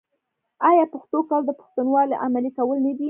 آیا پښتو کول د پښتونولۍ عملي کول نه دي؟